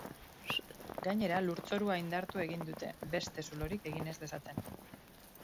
Gainera, lurzorua indartu egin dute, beste zulorik egin ez dezaten.